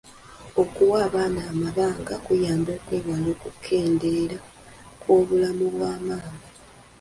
Okuwa abaana amabanga kuyamba okwewala okukendeera kw’obulamu bwa maama.